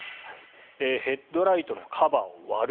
ヘッドライトのカバーを割る。